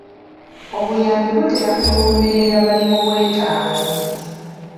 Obuyambi butera kuluubirira bali mu bwetaavu.